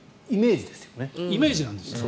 イメージなんですよ。